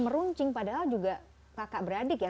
meruncing padahal juga kakak beradik ya